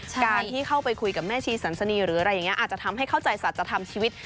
การที่เข้าไปคุยกับแม่ชีสันสนีหรืออะไรอย่างนี้อาจจะทำให้เข้าใจสัจธรรมชีวิต